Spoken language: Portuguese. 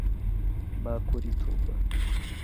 Bacurituba